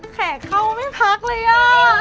แขกเข้าไม่พักเลยอ่ะ